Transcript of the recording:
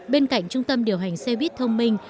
bên cạnh trung tâm điều hành xe buýt thông minh